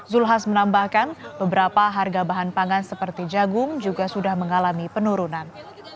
zulkifli hasan menambahkan beberapa harga bahan pangan seperti jagung juga sudah mengalami penurunan